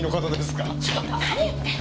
ちょっと何言ってんの！